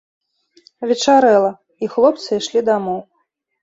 Вечарэла, і хлопцы ішлі дамоў.